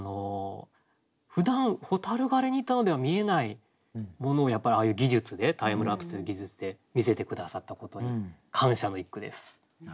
ふだん蛍狩りに行ったのでは見えないものをやっぱりああいう技術でタイムラプスの技術で見せて下さったことに感謝の一句です。